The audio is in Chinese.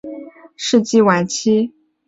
中国的连载小说始于十九世纪晚期。